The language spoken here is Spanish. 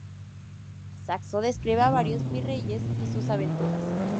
Saxo describe a varios virreyes y sus aventuras.